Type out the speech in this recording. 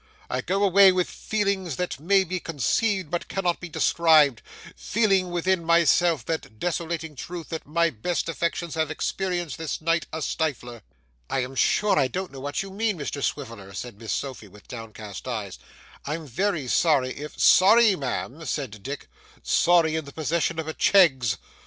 I go away with feelings that may be conceived but cannot be described, feeling within myself that desolating truth that my best affections have experienced this night a stifler!' 'I am sure I don't know what you mean, Mr Swiviller,' said Miss Sophy with downcast eyes. 'I'm very sorry if ' 'Sorry, Ma'am!' said Dick, 'sorry in the possession of a Cheggs!